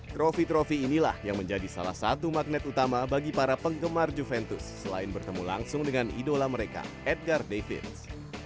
trofi trofi inilah yang menjadi salah satu magnet utama bagi para penggemar juventus selain bertemu langsung dengan idola mereka edgar davids